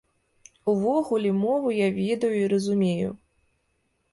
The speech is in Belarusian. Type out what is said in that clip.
Увогуле, мову я ведаю і разумею.